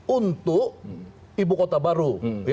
untuk ibu kota baru